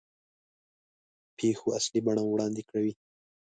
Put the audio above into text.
پېښو اصلي بڼه وړاندې کوي.